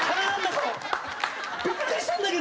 びっくりしたんだけど。